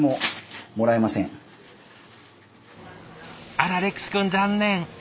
あらレックスくん残念。